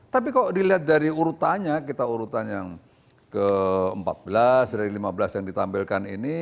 tapi kalau dilihat dari urutannya kita urutan yang ke empat belas dari lima belas yang ditampilkan ini